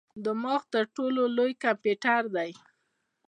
دماغ تر ټولو لوی کمپیوټر دی.